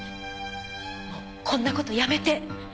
もうこんなことやめて。